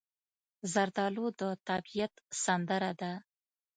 زردالو د طبیعت سندره ده.